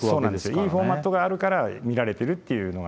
いいフォーマットがあるから見られてるっていうのが。